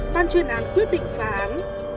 ban chuyên án quyết định phá án